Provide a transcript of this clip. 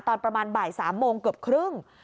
ตอนประมาณบ่าย๓โมงเกือบครึ่ง